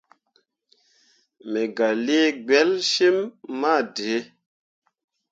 Me gah lii gbelsyimmi ma dǝǝ.